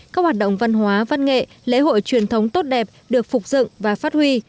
các hoạt động văn hóa văn nghệ lễ hội truyền thống tốt đẹp được phục dựng và phát huy